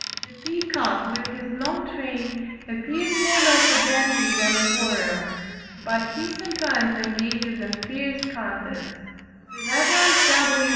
The peacock with his long train appears more like a dandy than a warrior, but he sometimes engages in fierce contests: the Rev. W.